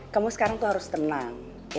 kamu sekarang tuh harus tenang